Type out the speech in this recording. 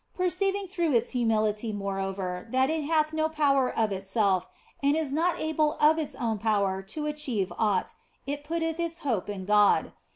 Per ceiving through its humility, moreover, that it hath no power of itself and is not able by its own power to achieve aught, it putteth its hope in God.